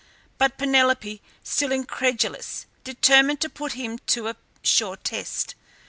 But Penelope, still incredulous, determined to put him to a sure test.